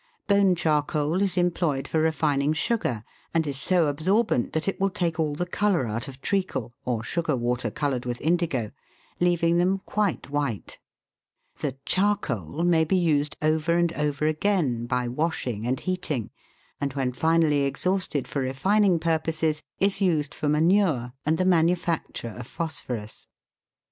Bone charcoal is employed for refining sugar, and is so absor bent that it will take all the colour out of treacle, or sugar water coloured with indigo, leaving them quite white. The " charcoal " may be used over and over again by wash ing and heating, and when finally exhausted for refining purposes, is used for manure and the manufacture of phos phorus.